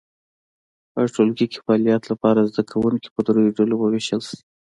په ټولګي کې فعالیت لپاره زده کوونکي په درې ډلو وویشل شي.